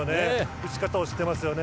打ち方を知っていますよね。